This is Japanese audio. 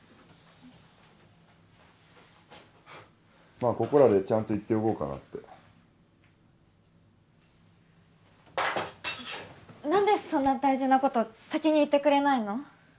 まあここらでちゃんと言っておこうかなって何でそんな大事なこと先に言ってくれないの？